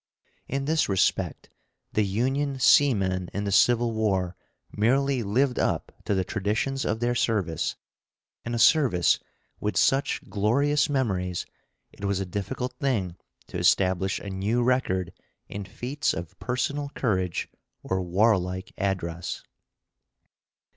In this respect the Union seamen in the Civil War merely lived up to the traditions of their service. In a service with such glorious memories it was a difficult thing to establish a new record in feats of personal courage or warlike address.